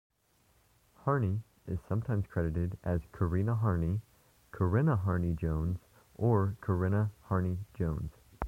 Harney is sometimes credited as Corina Harney, Corinna Harney-Jones, or Corinna Harney Jones.